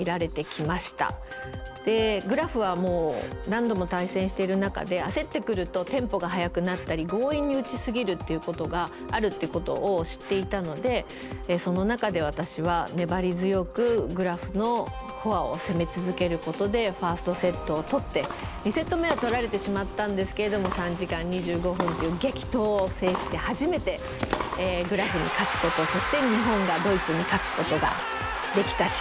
グラフは何度も対戦している中で焦ってくるとテンポが速くなったり強引に打ち過ぎるっていうことがあるってことを知っていたのでその中で私は粘り強くグラフのフォアを攻め続けることでファーストセットを取って２セット目は取られてしまったんですけれども３時間２５分という激闘を制して初めてグラフに勝つことそして日本がドイツに勝つことができた試合になります。